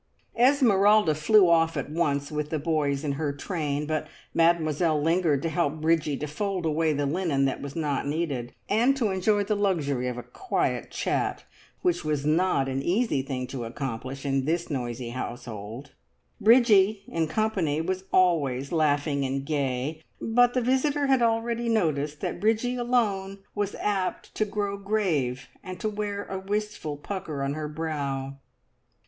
Esmeralda flew off at once, with the boys in her train; but Mademoiselle lingered to help Bridgie to fold away the linen that was not needed, and to enjoy the luxury of a quiet chat, which was not an easy thing to accomplish in this noisy household. Bridgie in company was always laughing and gay, but the visitor had already noticed that Bridgie alone was apt to grow grave and to wear a wistful pucker on her brow.